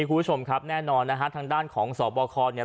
คุณผู้ชมครับแน่นอนนะฮะทางด้านของสบคเนี่ย